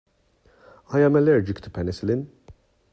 I am allergic to penicillin.